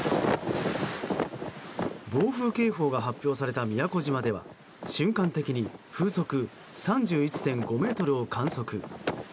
暴風警報が発表された宮古島では瞬間的に風速３１．５メートルを観測。